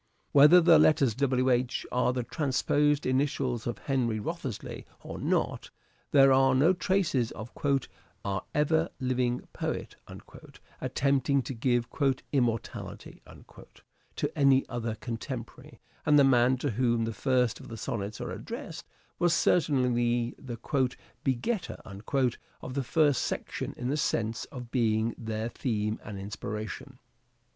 Whether the letters W. H are the transposed initials of Henry Wriothesley or not, there are no traces of " our ever living poet " attempting to give " immortality " to any other contemporary ; and the man to whom the first of the Sonnets are addressed was certainly the " begetter " of the first section in the sense of being their theme and inspiration.